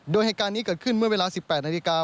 โดยเหตุการณ์นี้เกิดขึ้นเมื่อเวลา๑๘นาฬิกา